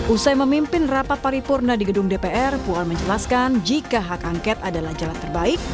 usai memimpin rapat paripurna di gedung dpr puan menjelaskan jika hak angket adalah jalan terbaik